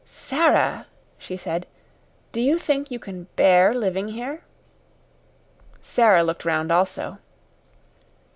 "Sara," she said, "do you think you can bear living here?" Sara looked round also.